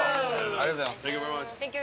ありがとうございます。